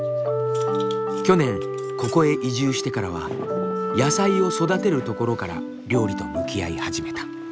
去年ここへ移住してからは野菜を育てるところから料理と向き合い始めた。